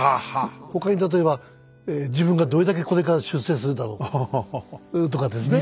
他に例えば「自分がどれだけこれから出世するんだろう」とかですね。